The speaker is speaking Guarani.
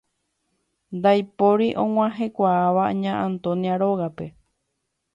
Ndaipóri og̃uahẽkuaáva Ña Antonia rógape.